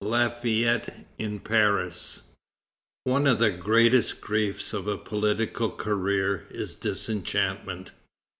LAFAYETTE IN PARIS. One of the greatest griefs of a political career is disenchantment.